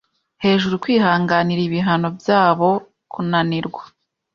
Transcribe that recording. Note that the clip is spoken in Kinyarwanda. Hejuru kwihanganira ibihano byabo kunanirwa